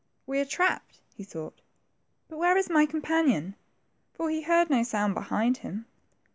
We are trapped," he thought, but where is my companion ?" for he heard no sound behind him.